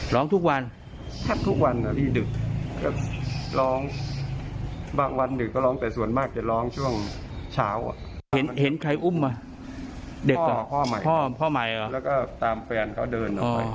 แล้วก็ตามแฟนเขาเดินออกไป